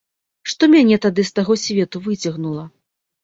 Што мяне тады з таго свету выцягнула?